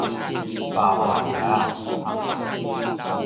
巴大蛾仔